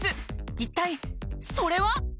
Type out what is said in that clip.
一体それは？